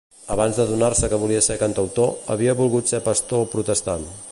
Abans d’adonar-se que volia ser cantautor, havia volgut ser pastor protestant.